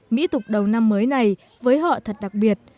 mỹ tục đầu năm mới này với họ thật đặc biệt